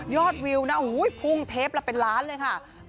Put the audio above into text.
วิวนะพุ่งเทปละเป็นล้านเลยค่ะ